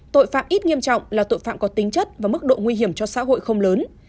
tội phạm ít nghiêm trọng là tội phạm có tính chất và mức độ nguy hiểm cho xã hội không lớn